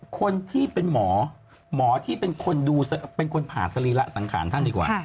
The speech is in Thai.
คนที่เป็นหมอหมอที่เป็นคนดูเป็นคนผ่าสรีระสังขารท่านดีกว่า